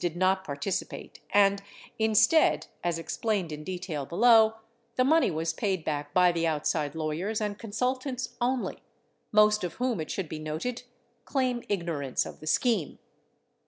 598 not participate and, instead, as explained in detail below, the money was paid back by the outside lawyers and consultants only, most of whom, it should be noted, claim ignorance of the scheme.